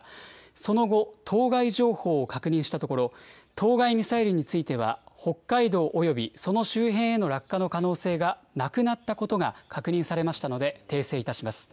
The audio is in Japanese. その後、当該情報を確認したところ、当該ミサイルについては、北海道およびその周辺への落下の可能性がなくなったことが確認されましたので、訂正いたします。